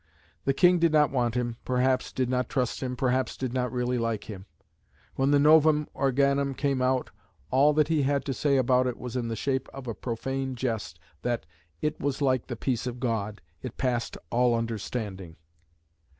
The King did not want him, perhaps did not trust him, perhaps did not really like him. When the Novum Organum came out, all that he had to say about it was in the shape of a profane jest that "it was like the peace of God it passed all understanding."